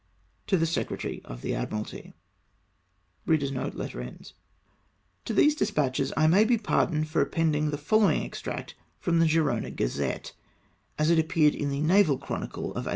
" To the Secretary of the Admiralty." To these despatches I may be pardoned for appending the following extract from the Gerona Gazette^ as it appeared in the Naval Chronicle of 1809.